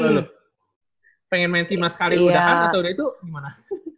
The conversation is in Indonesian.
lu pengen main timnas sekali udah kan atau udah itu gimana